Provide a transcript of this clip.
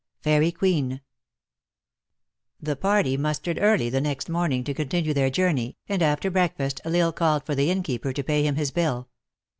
FAERIE QUEENE. THE party mustered early the next morning to con tinue their journey, and after breakfast L Isle called for the innkeeper to pay him his bill.